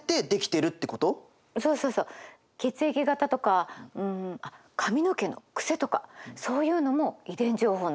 そうそうそう血液型とかうんあっ髪の毛の癖とかそういうのも遺伝情報なの。